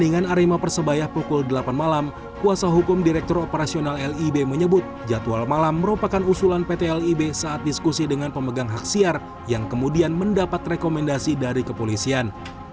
dengan arema persebaya pukul delapan malam kuasa hukum direktur operasional lib menyebut jadwal malam merupakan usulan pt lib saat diskusi dengan pemegang hak siar yang kemudian mendapat rekomendasi dari kepolisian